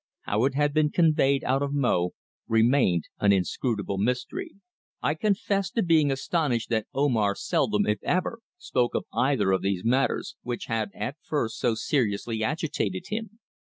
How it had been conveyed out of Mo remained an inscrutable mystery. I confess to being astonished that Omar seldom, if ever, spoke of either of these matters, which had at first so seriously agitated him.